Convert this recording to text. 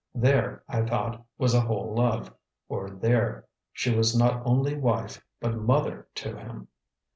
There, I thought, was a whole love; or there she was not only wife but mother to him.